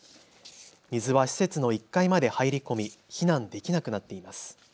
水は施設の１階まで入り込み避難できなくなっています。